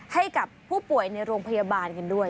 ให้กับผู้ป่วยในโรงพยาบาลกันด้วย